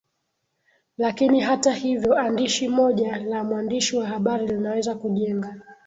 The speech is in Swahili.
lakini hata hivyo andishi moja la mwandishi wa habari linaweza kujenga